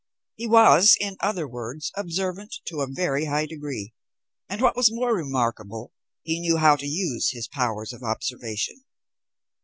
He was, in other words, observant to a very high degree; and, what was more remarkable, he knew how to use his powers of observation.